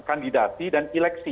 kandidati dan eleksi